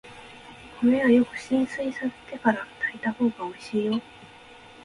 米はよく浸水させてから炊いたほうがおいしいよ。